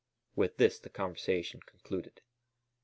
With this the conversation concluded.